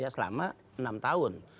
selama enam tahun